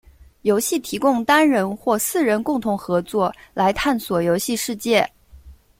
游戏提供单人或四人共同合作来探索游戏世界。